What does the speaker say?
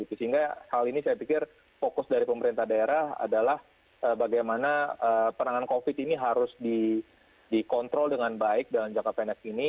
sehingga hal ini saya pikir fokus dari pemerintah daerah adalah bagaimana penanganan covid ini harus dikontrol dengan baik dalam jangka pendek ini